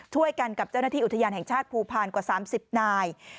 ช่วยกันกับเจ้าหน้าที่อุทยานแห่งชาติภูพานกว่า๓๐นาย